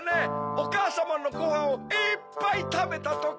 おかあさまのごはんをいっぱいたべたとき。